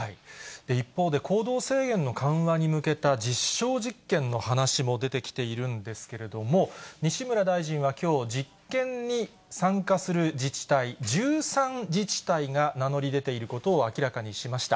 一方で行動制限の緩和に向けた実証実験の話も出てきているんですけれども、西村大臣はきょう、実験に参加する自治体１３自治体が名乗り出ていることを明らかにしました。